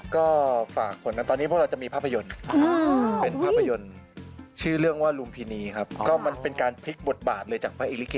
ก็ฝากว่าไปนันตอนนี้ว่าจะมีภาพยนตร์ทื้นชื่อเรื่องว่าลมพินีครับมันเป็นการพลิกบทบาทเลยจังไป